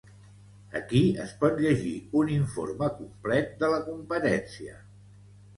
Aquí es pot llegir un informe complet de la competència.